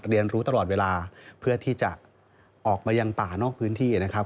เรียนรู้ตลอดเวลาเพื่อที่จะออกมายังป่านอกพื้นที่นะครับ